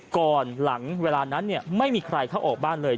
ก่อนหลังเวลานั้นไม่มีใครเข้าออกบ้านเลย